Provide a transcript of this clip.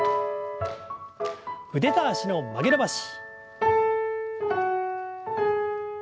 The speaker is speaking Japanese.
腕と脚の曲げ伸ばし。